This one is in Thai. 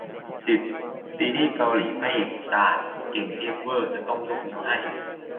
สิบ ซีรีส์เกาหลีพระเอกฉลาด เก่งเทพเว่อร์ จนต้องยกนิ้วให้